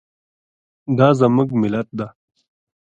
دا زموږ ملت ده